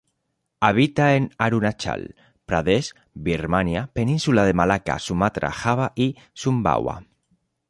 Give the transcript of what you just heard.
Habita en Arunachal Pradesh, Birmania, Península de Malaca, Sumatra, Java y Sumbawa.